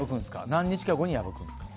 何日かあとに破くんですか？